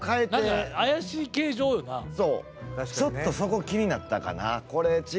ちょっとそこ気になったかな。